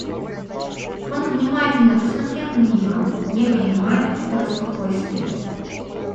Он внимательно посмотрел на нее, не понимая этого спокойствия.